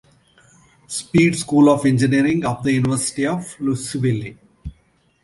Speed School of Engineering of the University of Louisville.